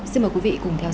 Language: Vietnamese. xin mời quý vị cùng theo dõi